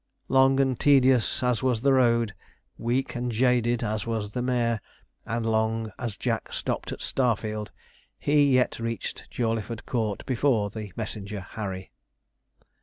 Long and tedious as was the road, weak and jaded as was the mare, and long as Jack stopped at Starfield, he yet reached Jawleyford Court before the messenger Harry.